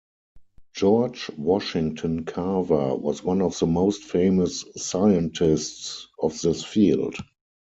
George Washington Carver was one of the most famous scientists of this field.